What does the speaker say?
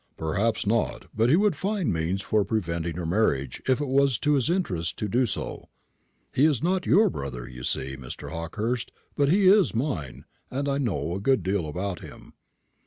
"Perhaps not, but he would find means for preventing her marriage if it was to his interest to do so. He is not your brother, you see, Mr. Hawkehurst; but he is mine, and I know a good deal about him.